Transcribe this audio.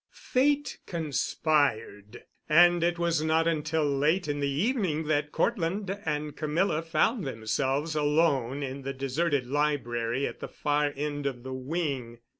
Fate conspired, and it was not until late in the evening that Cortland and Camilla found themselves alone in the deserted library at the far end of the wing.